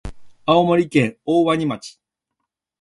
青森県大鰐町